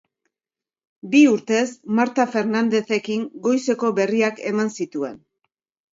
Bi urtez, Marta Fernandez-ekin goizeko berriak eman zituen.